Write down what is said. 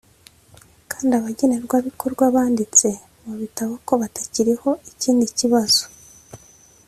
kandi abagenerwabikorwa banditse mu bitabo ko batakiriho Ikindi kibazo